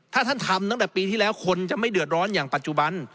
ถ้าท่านทำตั้งแต่ปีที่แล้วคนจะไม่เดือดร้อนอย่างปัจจุบัน